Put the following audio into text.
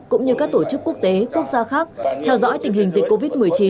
cũng như các tổ chức quốc tế quốc gia khác theo dõi tình hình dịch covid một mươi chín